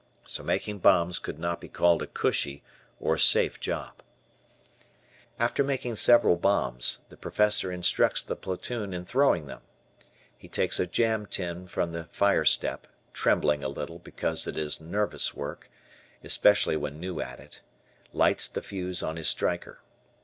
So making bombs could not be called a "cushy" or safe job. After making several bombs, the Professor instructs the platoon in throwing them. He takes a "jam tin" from the fire step, trembling a little, because it is nervous work, especially when new at it, lights the fuse on his striker.